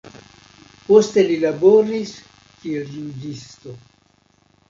Poste li laboris kiel juĝisto.